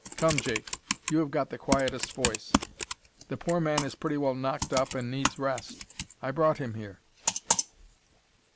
Come, Jake, you have got the quietest voice. The poor man is pretty well knocked up and needs rest. I brought him here."